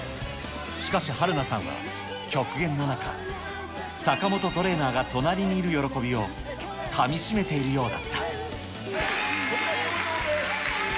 しかし、はるなさんは極限の中、坂本トレーナーが隣にいる喜びをかみしめているようだった。